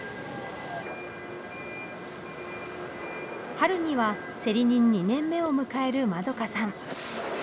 春には競り人２年目を迎えるまどかさん。